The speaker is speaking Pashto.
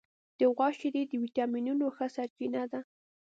د غوا شیدې د وټامینونو ښه سرچینه ده.